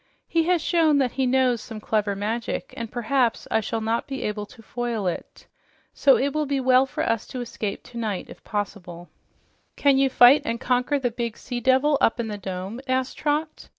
He has shown that he knows some clever magic, and perhaps I shall not be able to foil it. So it will be well for us to escape tonight if possible." "Can you fight and conquer the big sea devil up in the dome?" asked Trot.